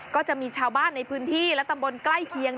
ก็จะมีชาวบ้านในพื้นที่และตำบลใกล้เคียง